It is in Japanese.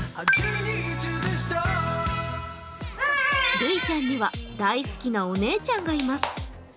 るいちゃんには大好きなお姉ちゃんがいます。